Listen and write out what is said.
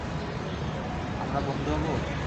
আমরা বন্ধু হবো?